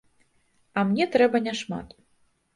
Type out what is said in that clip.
А мне трэба няшмат.